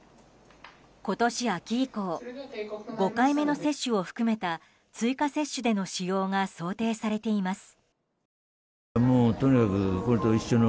今年秋以降５回目の接種を含めた追加接種での使用が想定されています。